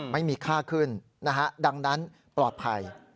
ไม่มีค่าขึ้นนะฮะดังนั้นปลอดภัย